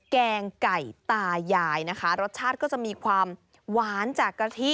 แกงไก่ตายายนะคะรสชาติก็จะมีความหวานจากกะทิ